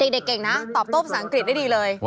เด็กเก่งนะตอบโต้ภาษาอังกฤษได้ดีเลย